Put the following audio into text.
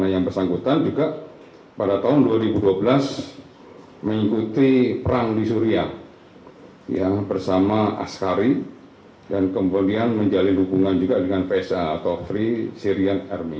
yang bersama askari dan kemudian menjalin hubungan juga dengan pesa atau free syrian army